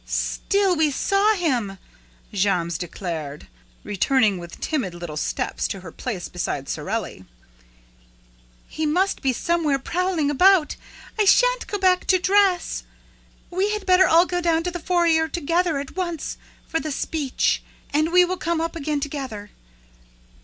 "Still, we saw him!" Jammes declared, returning with timid little steps to her place beside Sorelli. "He must be somewhere prowling about. I shan't go back to dress. We had better all go down to the foyer together, at once, for the 'speech,' and we will come up again together."